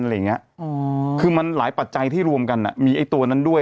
อะไรอย่างเงี้ยอืมคือมันหลายปัจจัยที่รวมกันอ่ะมีไอ้ตัวนั้นด้วย